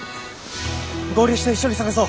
合流して一緒に捜そう。